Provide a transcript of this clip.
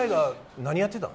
何やってたの？